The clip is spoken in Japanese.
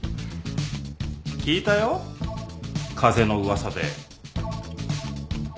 聞いたよ風の噂で。